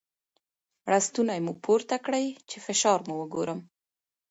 ړستونی مو پورته کړی چې فشار مو وګورم.